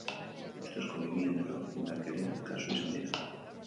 Ustezko bi genero indarkeria kasu izan dira.